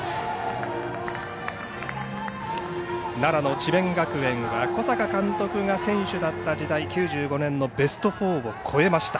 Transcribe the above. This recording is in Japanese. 奈良の智弁学園は小坂監督が選手だった時代９５年のベスト４を超えました。